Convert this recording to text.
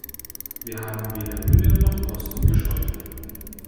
Wir haben weder Mühe noch Kosten gescheut.